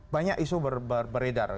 banyak isu beredar